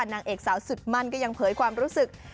นางเอกสาวสุดมั่นก็ยังเผยความรู้สึก